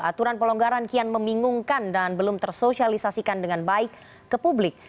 aturan pelonggaran kian membingungkan dan belum tersosialisasikan dengan baik ke publik